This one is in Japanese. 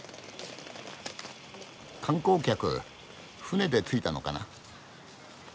観光客船で着いたのかな。